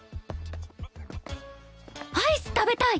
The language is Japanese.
「アイス食べたい」！